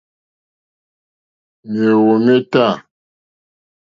Mèóhwò mé tâ.